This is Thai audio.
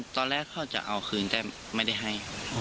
ตอนแรกเขาจะเอาคืนแต่ไม่ได้ให้